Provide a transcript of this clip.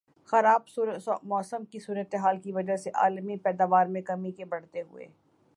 خراب موسم کی صورتحال کی وجہ سے عالمی پیداوار میں کمی کے بڑھتے ہوئے